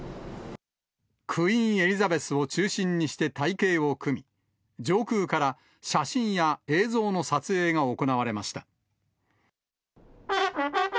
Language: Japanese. クイーン・エリザベスを中心にして隊形を組み、上空から写真や映像の撮影が行われました。